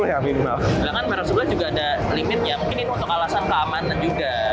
nah kan menurut gua juga ada limitnya mungkin ini untuk alasan keamanan juga